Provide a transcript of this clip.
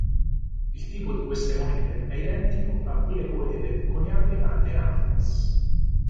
Il tipo di queste monete è identico a quelle coeve coniate a Neapolis.